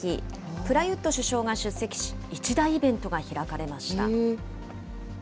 プラユット首相が出席し、一大イベントが開かれました。